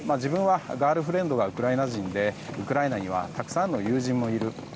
私はガールフレンドがウクライナ人で、ウクライナにはたくさんの友人がいる。